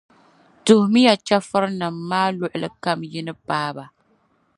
Tuhimi ya chεfurinim’ maa luɣilikam yi ni paai ba